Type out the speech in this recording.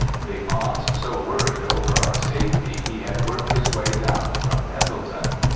The aunts so worried over our safety he had worked his way down from Pendleton.